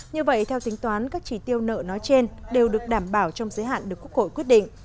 như vậy theo tính toán các chỉ tiêu nợ nói trên đều được đảm bảo trong giới hạn được quốc hội quyết định